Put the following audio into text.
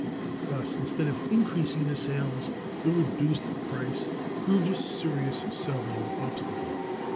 Thus, instead of increasing the sales, the reduced price proved a serious selling obstacle.